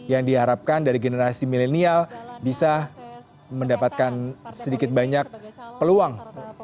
yang diharapkan dari generasi milenial bisa mendapatkan sedikit banyak peluang